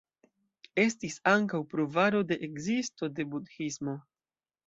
Estis ankaŭ pruvaro de ekzisto de Budhismo.